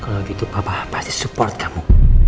kalau gitu papa pasti support kamu